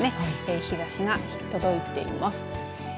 日ざしが届いています。